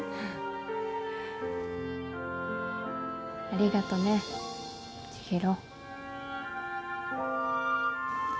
ありがとね千尋。